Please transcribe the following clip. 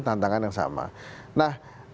tantangan yang sama nah